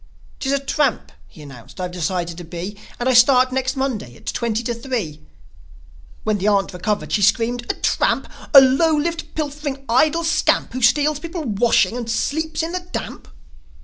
"'Tis a tramp," he announced, "I've decided to be; And I start next Monday at twenty to three ..." When the aunt recovered she screamed, "A tramp? A low lived, pilfering, idle scamp, Who steals people's washing, and sleeps in the damp?"